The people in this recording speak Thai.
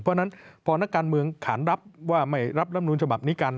เพราะฉะนั้นพอนักการเมืองขานรับว่าไม่รับรำนูลฉบับนี้กัน